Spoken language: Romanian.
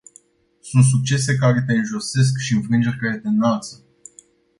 Sunt succese care te înjosesc și înfrângeri care te înalță.